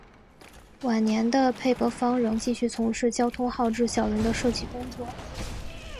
晚年的佩格劳仍继续从事交通号志小人的设计工作。